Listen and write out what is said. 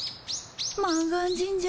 満願神社